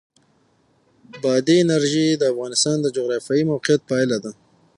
بادي انرژي د افغانستان د جغرافیایي موقیعت پایله ده.